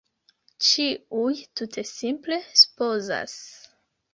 Ĉiuj tutsimple supozas.